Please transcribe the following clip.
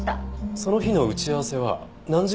その日の打ち合わせは何時頃まで。